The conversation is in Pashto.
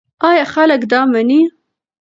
ایا خلک دا مني؟